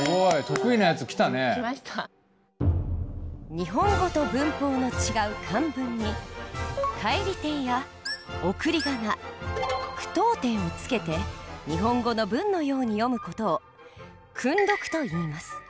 日本語と文法の違う漢文に返り点や送り仮名句読点をつけて日本語の文のように読む事を「訓読」といいます。